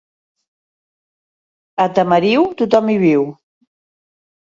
A Tamariu, tothom hi viu.